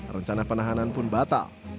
rencana penahanan pun batal